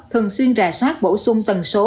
thường xuyên rà soát bổ sung tầng số